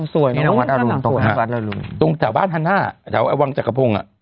สวยทางหลั่งเจ้าวาสธารุณ